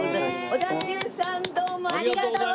小田急さんどうもありがとう！